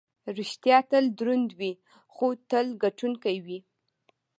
ریښتیا تل دروند وي، خو تل ګټونکی وي.